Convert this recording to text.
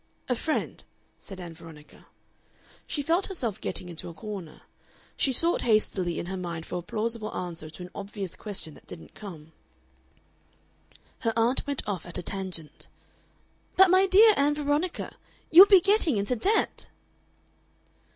"A friend," said Ann Veronica. She felt herself getting into a corner. She sought hastily in her mind for a plausible answer to an obvious question that didn't come. Her aunt went off at a tangent. "But my dear Ann Veronica, you will be getting into debt!"